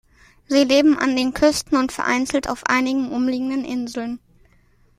Sie leben an den Küsten und vereinzelt auf einigen umliegenden Inseln.